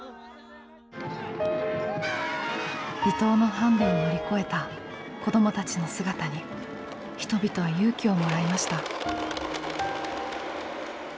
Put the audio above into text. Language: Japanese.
離島のハンデを乗り越えた子どもたちの姿に人々は勇気をもらいました。